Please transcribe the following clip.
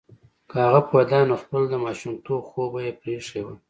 که هغه پوهیدای نو خپل د ماشومتوب خوب به یې پریښی وای